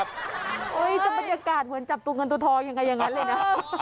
จะบรรยากาศเหมือนจับตัวเงินตัวทองยังไงอย่างนั้นเลยนะ